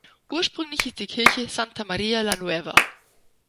Ursprünglich hieß die Kirche "Santa Maria La Nueva".